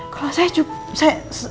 kalau saya juga